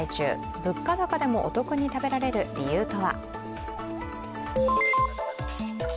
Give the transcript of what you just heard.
物価高でもお得に食べられる理由とは？